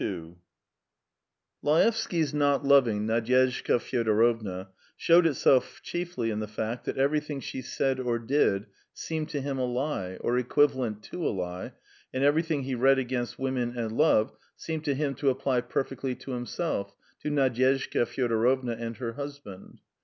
II Laevsky's not loving Nadyezhda Fyodorovna showed itself chiefly in the fact that everything she said or did seemed to him a lie, or equivalent to a lie, and everything he read against women and love seemed to him to apply perfectly to himself, to Nadyezhda Fyodorovna and her husband.